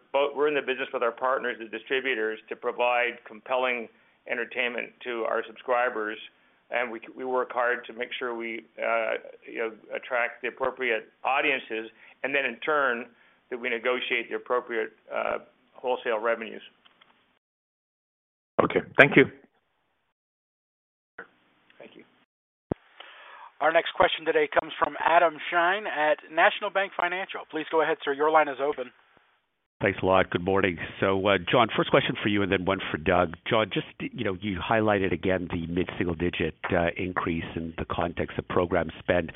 in the business with our partners and distributors to provide compelling entertainment to our subscribers. We work hard to make sure we, you know, attract the appropriate audiences and then in turn, that we negotiate the appropriate wholesale revenues. Okay, thank you. Thank you. Our next question today comes from Adam Shine at National Bank Financial. Please go ahead, sir. Your line is open. Thanks a lot. Good morning. John, first question for you and then one for Doug. John, just, you know, you highlighted again the mid-single digit increase in the context of program spend.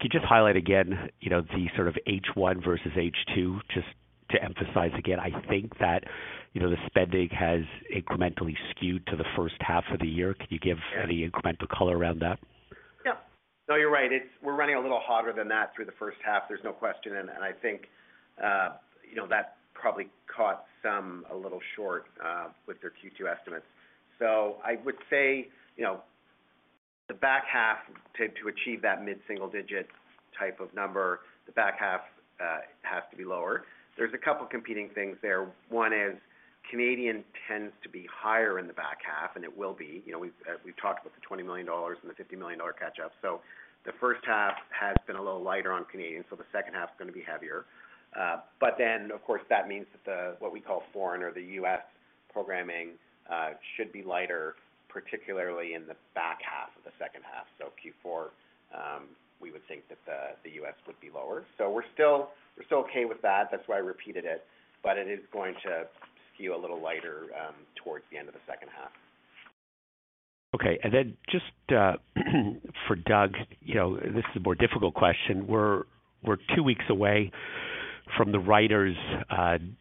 Could you just highlight again, you know, the sort of H1 versus H2, just to emphasize again? I think that, you know, the spending has incrementally skewed to the first half of the year. Could you give any incremental color around that? Yeah. No, you're right. We're running a little hotter than that through the first half, there's no question. I think, you know, that probably caught some a little short, with their Q2 estimates. I would say, you know, the back half, to achieve that mid-single digit type of number, the back half, has to be lower. There's a couple competing things there. One is Canadian tends to be higher in the back half, and it will be. You know, we've talked about the 20 million dollars and the 50 million dollar catch up. The first half has been a little lighter on Canadian, so the second half is gonna be heavier. Of course, that means that the, what we call foreign or the U.S. programming should be lighter, particularly in the back half of the second half. Q4, we would think that the U.S. would be lower. We're still okay with that. That's why I repeated it. It is going to skew a little lighter towards the end of the second half. Okay. Just for Doug, you know, this is a more difficult question. We're two weeks away from the writers'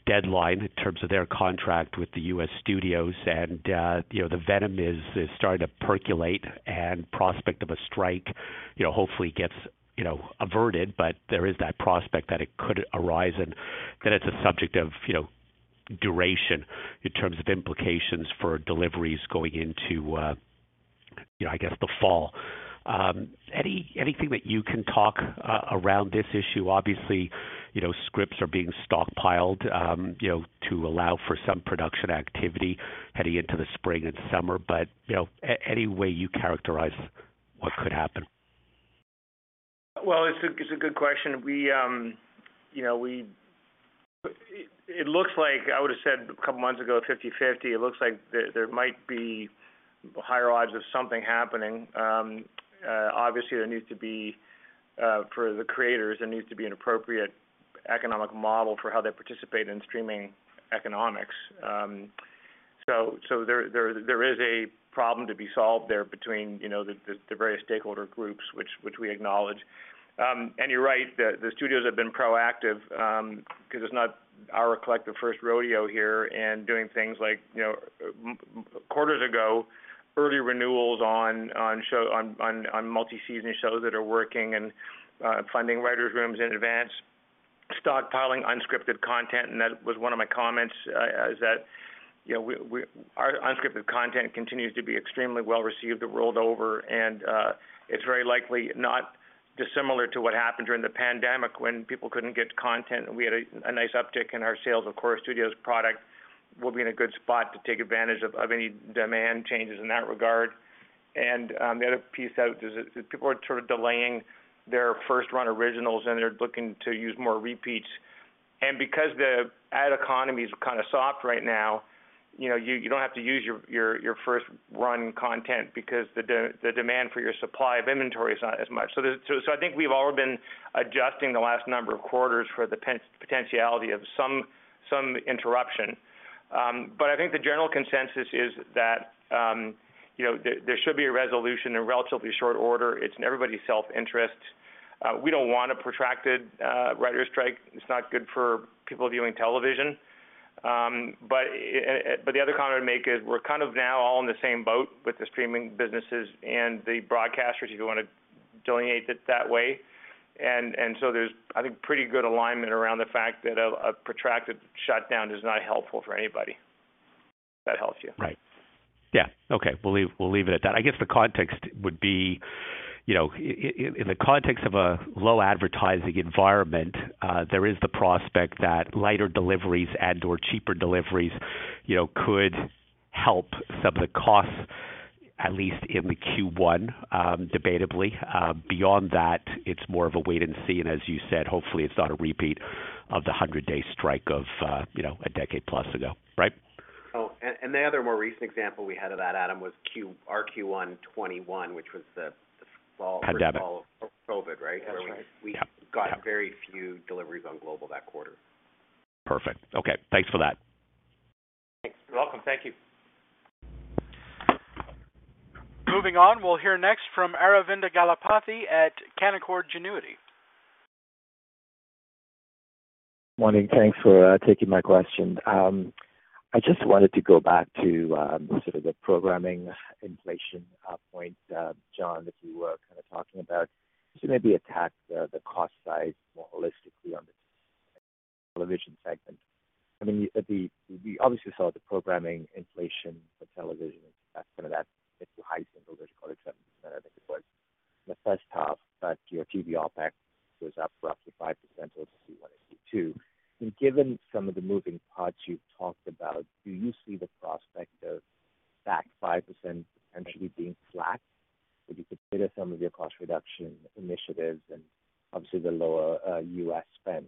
deadline in terms of their contract with the U.S. studios. You know, the venom is starting to percolate and prospect of a strike, you know, hopefully gets, you know, averted. There is that prospect that it could arise and then it's a subject of, you know, duration in terms of implications for deliveries going into, you know, I guess, the fall. Anything that you can talk around this issue? Obviously, you know, scripts are being stockpiled, you know, to allow for some production activity heading into the spring and summer. You know, any way you characterize what could happen? Well, it's a good question. We, you know, it looks like I would've said a couple months ago, 50/50. It looks like there might be higher odds of something happening. Obviously, there needs to be for the creators, there needs to be an appropriate economic model for how they participate in streaming economics. There is a problem to be solved there between, you know, the various stakeholder groups, which we acknowledge. You're right, the studios have been proactive, 'cause it's not our collective first rodeo here and doing things like, you know, quarters ago, early renewals on multi-season shows that are working and funding writers rooms in advance, stockpiling unscripted content. That was one of my comments, you know, our unscripted content continues to be extremely well-received. It rolled over. It's very likely not dissimilar to what happened during the pandemic when people couldn't get content. We had a nice uptick in our sales of Corus Studios product. We'll be in a good spot to take advantage of any demand changes in that regard. The other piece out is people are sort of delaying their first-run originals, and they're looking to use more repeats. Because the ad economy is kind of soft right now, you know, you don't have to use your first-run content because the demand for your supply of inventory is not as much. I think we've all been adjusting the last number of quarters for the potentiality of some interruption. I think the general consensus is that, you know, there should be a resolution in relatively short order. It's in everybody's self-interest. We don't want a protracted writers' strike. It's not good for people viewing television. The other comment I would make is we're kind of now all in the same boat with the streaming businesses and the broadcasters, if you wanna delineate it that way. There's, I think, pretty good alignment around the fact that a protracted shutdown is not helpful for anybody. If that helps you. Right. Yeah. Okay. We'll leave it at that. I guess the context would be, in the context of a low advertising environment, there is the prospect that lighter deliveries and/or cheaper deliveries could help some of the costs, at least in Q1, debatably. Beyond that, it's more of a wait and see. As you said, hopefully it's not a repeat of the 100-day strike of a decade plus ago. Right? The other more recent example we had of that, Adam, was our Q1 2021, which was the fall... Pandemic. fall of COVID, right? That's right. We got very few deliveries on Global that quarter. Perfect. Okay. Thanks for that. You're welcome. Thank you. Moving on, we'll hear next from Aravinda Galappatthige at Canaccord Genuity. Morning. Thanks for taking my question. I just wanted to go back to sort of the programming inflation, John, that you were kinda talking about, to maybe attack the cost side more holistically on the television segment. I mean, obviously you saw the programming inflation for television and kind of that mid-to-high single-digit growth that I think it was in the first half, but your TV OpEx was up roughly 5% or C one to C two. Given some of the moving parts you've talked about, do you see the prospect of that 5% potentially being flat if you consider some of your cost reduction initiatives and obviously the lower U.S. spend?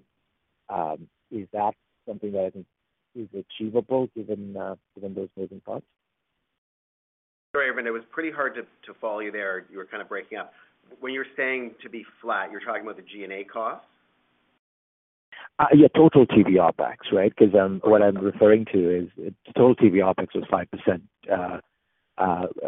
Is that something that I think is achievable given those moving parts? Sorry, Aravinda, it was pretty hard to follow you there. You were kind of breaking up. When you're saying to be flat, you're talking about the G&A costs? Yeah, total TV OpEx, right? 'Cause, what I'm referring to is total TV OpEx was 5%,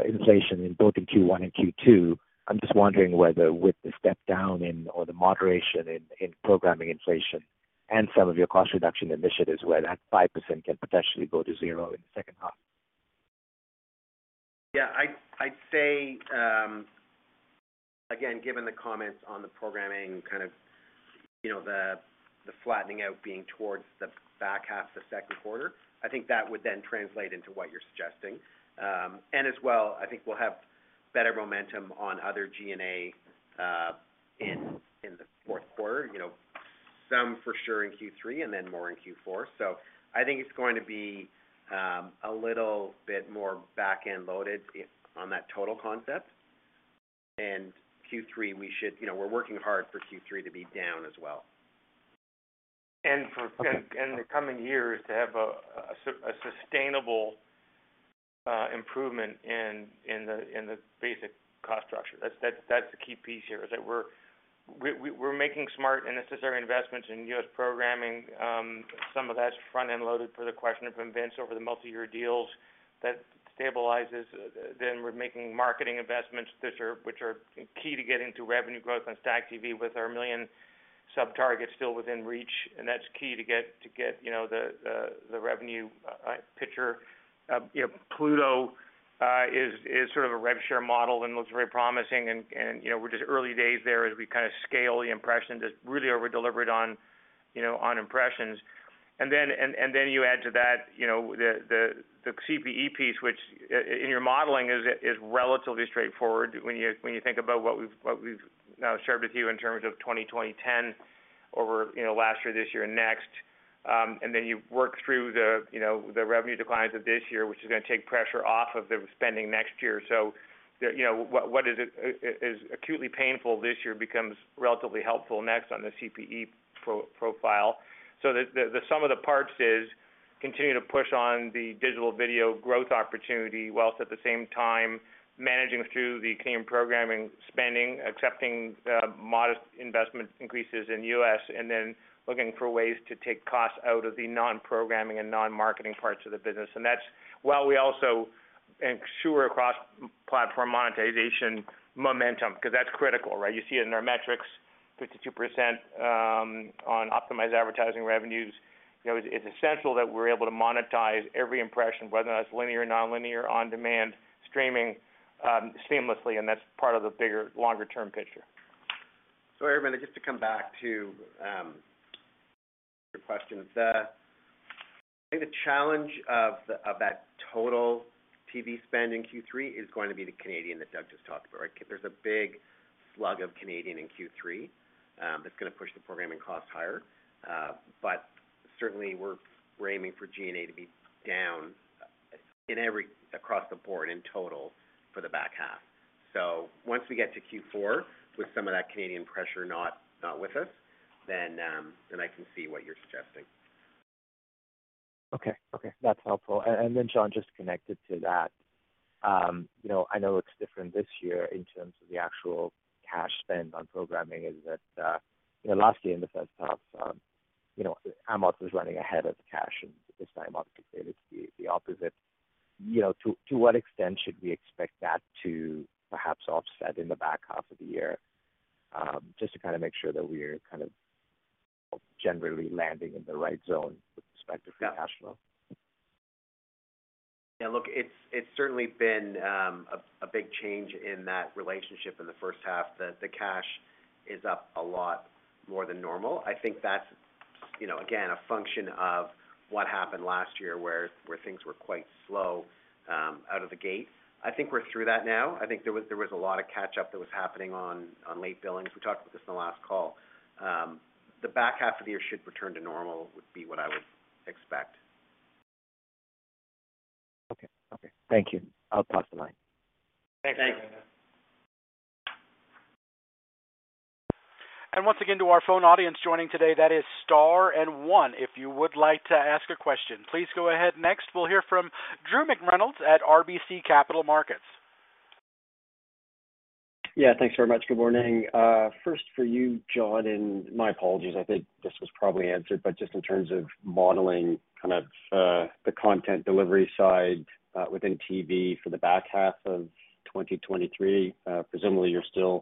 inflation in both Q1 and Q2. I'm just wondering whether with the step down or the moderation in programming inflation and some of your cost reduction initiatives, whether that 5% can potentially go to zero in the second half. I'd say, again, given the comments on the programming kind of, you know, the flattening out being towards the back half of the second quarter, I think that would then translate into what you're suggesting. As well, I think we'll have better momentum on other G&A in the fourth quarter. You know, some for sure in Q3 and then more in Q4. I think it's going to be a little bit more back-end loaded on that total concept. Q3, we should, you know, we're working hard for Q3 to be down as well. Okay. In the coming years to have a sustainable improvement in the basic cost structure. That's the key piece here. Is that we're making smart and necessary investments in U.S. programming. Some of that's front-end loaded for the question from Vince over the multi-year deals that stabilizes. We're making marketing investments which are key to getting to revenue growth on STACKTV with our 1 million sub targets still within reach. That's key to get, you know, the revenue picture. You know, Pluto is sort of a rev share model and looks very promising, and, you know, we're just early days there as we kinda scale the impressions. It's really over-delivered on, you know, on impressions. Then you add to that, you know, the CPE piece which in your modeling is relatively straightforward when you think about what we've now shared with you in terms of 20, 10 over, you know, last year, this year and next. Then you work through the, you know, the revenue declines of this year, which is gonna take pressure off of the spending next year. The, you know, what is acutely painful this year becomes relatively helpful next on the CPE pro-profile. The sum of the parts is continue to push on the digital video growth opportunity whilst at the same time managing through the Canadian programming spending, accepting modest investment increases in U.S., and then looking for ways to take costs out of the non-programming and non-marketing parts of the business. That's while we also ensure across platform monetization momentum because that's critical, right? You see it in our metrics, 52% on optimized advertising revenues. You know, it's essential that we're able to monetize every impression, whether that's linear or nonlinear on demand streaming seamlessly, and that's part of the bigger longer-term picture. Sorry, just to come back to your questions. The, I think the challenge of that total TV spend in Q3 is going to be the Canadian that Doug just talked about, right. There's a big slug of Canadian in Q3 that's gonna push the programming costs higher. Certainly we're aiming for G&A to be down across the board in total for the back half. Once we get to Q4 with some of that Canadian pressure not with us, then I can see what you're suggesting. Okay. Okay. That's helpful. Then John, just connected to that, you know, I know it's different this year in terms of the actual cash spend on programming is that, you know, last year in the first half, you know, [amort] was running ahead of the cash. This time obviously it's the opposite. You know, to what extent should we expect that to perhaps offset in the back half of the year? just to kinda make sure that we're kind of generally landing in the right zone with respect to free cash flow. Yeah. Look, it's certainly been a big change in that relationship in the first half. The cash is up a lot more than normal. I think that's, you know, again, a function of what happened last year where things were quite slow out of the gate. I think we're through that now. I think there was a lot of catch-up that was happening on late billings. We talked about this in the last call. The back half of the year should return to normal, would be what I would expect. Okay. Okay. Thank you. I'll pass the line. Thanks. Thanks. Once again to our phone audience joining today, that is star one. If you would like to ask a question, please go ahead. Next, we'll hear from Drew McReynolds at RBC Capital Markets. Yeah, thanks very much. Good morning. First for you, John. My apologies, I think this was probably answered, but just in terms of modeling kind of the content delivery side within TV for the back half of 2023, presumably you're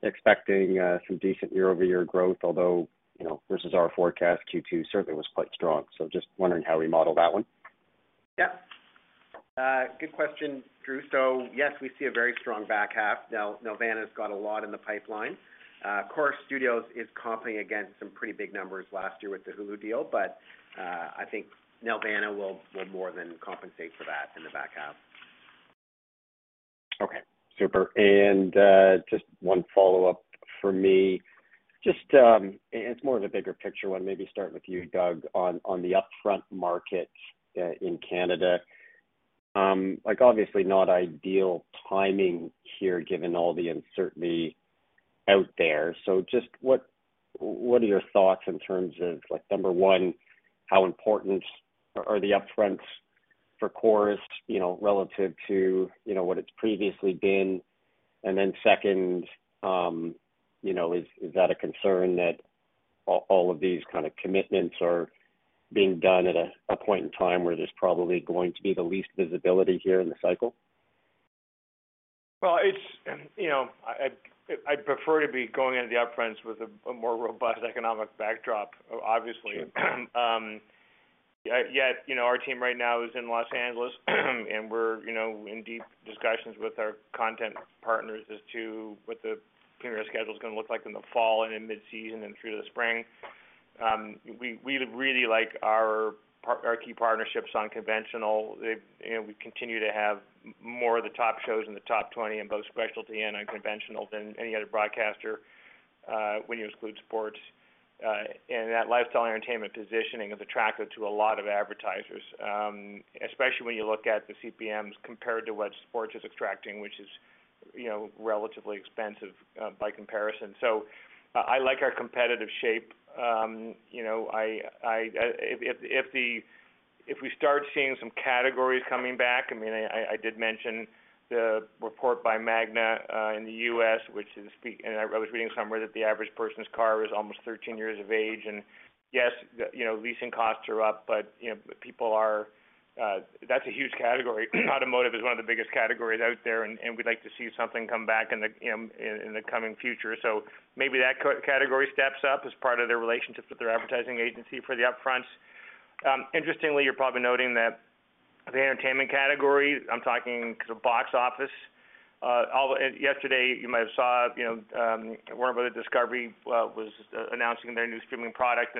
still expecting some decent year-over-year growth, although, you know, versus our forecast, Q2 certainly was quite strong. Just wondering how we model that one. Yeah. Good question, Drew. Yes, we see a very strong back half. Nelvana's got a lot in the pipeline. Corus Studios is comping against some pretty big numbers last year with the Hulu deal, but I think Nelvana will more than compensate for that in the back half. Okay, super. Just one follow-up for me. It's more of a bigger picture one, maybe start with you, Doug, on the upfront market in Canada. Like, obviously not ideal timing here given all the uncertainty out there. Just what are your thoughts in terms of, like, number one, how important are the upfronts for Corus, you know, relative to, you know, what it's previously been? Second, you know, is that a concern that all of these kind of commitments are being done at a point in time where there's probably going to be the least visibility here in the cycle? Well, you know, I'd prefer to be going into the upfronts with a more robust economic backdrop, obviously. Yet, you know, our team right now is in L.A., and we're, you know, in deep discussions with our content partners as to what the premium schedule is gonna look like in the fall and in mid-season and through to the spring. We really like our key partnerships on conventional. You know, we continue to have more of the top shows in the top 20 in both specialty and unconventional than any other broadcaster, when you exclude sports. And that lifestyle entertainment positioning is attractive to a lot of advertisers, especially when you look at the CPMs compared to what sports is extracting, which is, you know, relatively expensive by comparison. I like our competitive shape. you know, if we start seeing some categories coming back, I mean, I did mention the report by MAGNA in the U.S., which is and I was reading somewhere that the average person's car is almost 13 years of age. Yes, you know, leasing costs are up, you know, people are. That's a huge category. Automotive is one of the biggest categories out there, and we'd like to see something come back in the coming future. Maybe that category steps up as part of their relationship with their advertising agency for the upfront. Interestingly, you're probably noting that the entertainment category, I'm talking the box office. Yesterday, you might have saw, you know, Warner Bros. Discovery was announcing their new streaming product.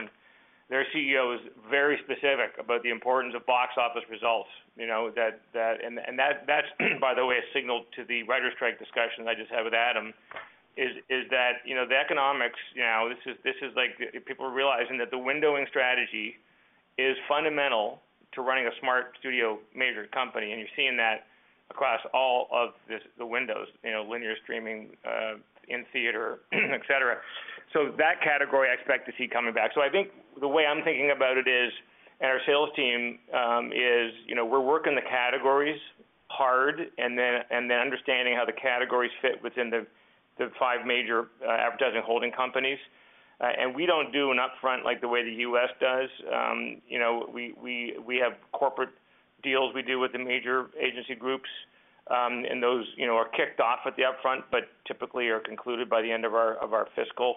Their CEO is very specific about the importance of box office results, you know. That and that's, by the way, a signal to the writers' strike discussion I just had with Adam, is that, you know, the economics, you know, this is like people are realizing that the windowing strategy is fundamental to running a smart studio major company. You're seeing that across all of this, the windows, you know, linear streaming, in theater, et cetera. That category I expect to see coming back. I think the way I'm thinking about it is, and our sales team, is, you know, we're working the categories hard and then understanding how the categories fit within the five major advertising holding companies. We don't do an upfront like the way the U.S. does. You know, we have corporate deals we do with the major agency groups, and those, you know, are kicked off at the upfront, but typically are concluded by the end of our fiscal.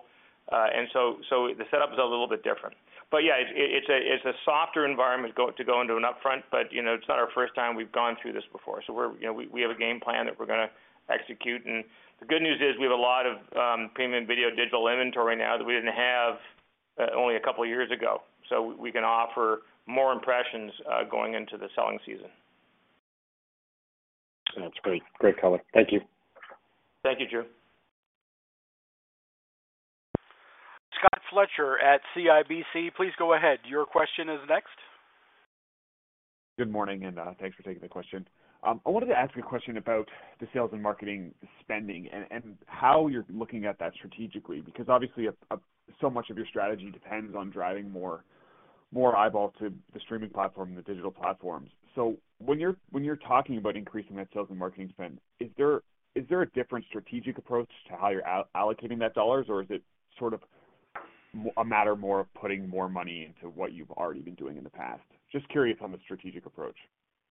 The setup is a little bit different. Yeah, it's a softer environment to go into an upfront, but, you know, it's not our first time. We've gone through this before. We're, you know, we have a game plan that we're gonna execute. The good news is we have a lot of premium video digital inventory now that we didn't have only a couple years ago, so we can offer more impressions going into the selling season. That's great. Great color. Thank you. Thank you, Drew. Scott Fletcher at CIBC, please go ahead. Your question is next. Good morning, thanks for taking the question. I wanted to ask a question about the sales and marketing spending and how you're looking at that strategically, because obviously so much of your strategy depends on driving more eyeballs to the streaming platform, the digital platforms. When you're talking about increasing that sales and marketing spend, is there a different strategic approach to how you're allocating that dollars, or is it sort of a matter more of putting more money into what you've already been doing in the past? Just curious on the strategic approach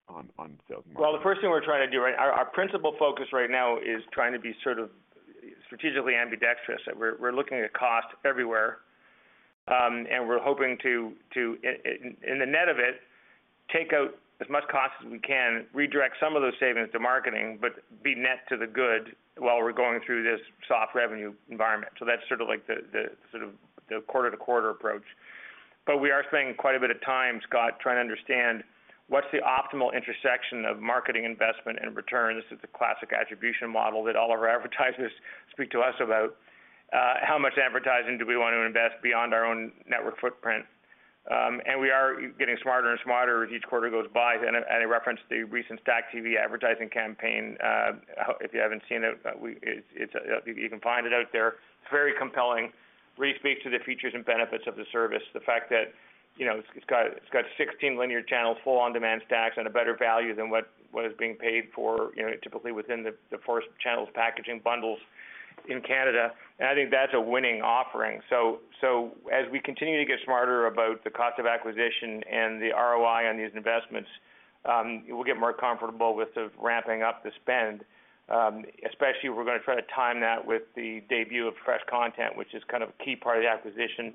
on sales and marketing. The first thing we're trying to do our principal focus right now is trying to be sort of strategically ambidextrous. We're looking at cost everywhere, and we're hoping to in the net of it, take out as much cost as we can, redirect some of those savings to marketing, but be net to the good while we're going through this soft revenue environment. That's sort of like the quarter-to-quarter approach. We are spending quite a bit of time, Scott, trying to understand what's the optimal intersection of marketing investment and return. This is the classic attribution model that all of our advertisers speak to us about. How much advertising do we want to invest beyond our own network footprint? We are getting smarter and smarter as each quarter goes by. I reference the recent STACKTV advertising campaign. If you haven't seen it, you can find it out there. It's very compelling. Really speaks to the features and benefits of the service. The fact that, you know, it's got 16 linear channels, full on-demand STACKTV and a better value than what is being paid for, you know, typically within the Corus channels packaging bundles in Canada. I think that's a winning offering. As we continue to get smarter about the cost of acquisition and the ROI on these investments, we'll get more comfortable with the ramping up the spend, especially if we're gonna try to time that with the debut of fresh content, which is kind of a key part of the acquisition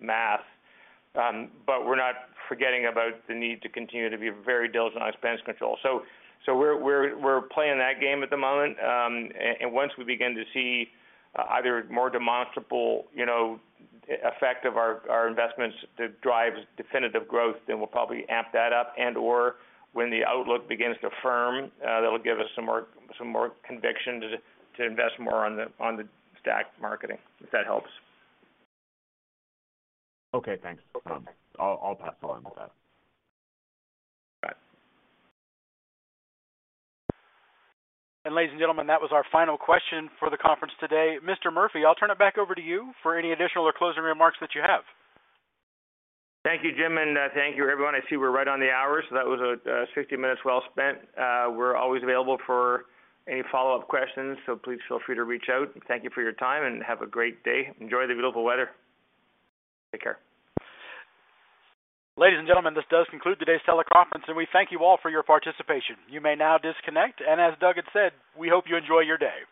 math. We're not forgetting about the need to continue to be very diligent on expense control. We're playing that game at the moment. Once we begin to see either more demonstrable, you know, effect of our investments that drives definitive growth, we'll probably amp that up and/or when the outlook begins to firm, that'll give us some more conviction to invest more on the, on the STACKTV marketing, if that helps. Okay, thanks. Okay. I'll pass along with that. Got it. Ladies and gentlemen, that was our final question for the conference today. Mr. Murphy, I'll turn it back over to you for any additional or closing remarks that you have. Thank you, Jim, and thank you, everyone. I see we're right on the hour. That was a 60 minutes well spent. We're always available for any follow-up questions. Please feel free to reach out and thank you for your time and have a great day. Enjoy the beautiful weather. Take care. Ladies and gentlemen, this does conclude today's teleconference, and we thank you all for your participation. You may now disconnect, and as Doug had said, we hope you enjoy your day.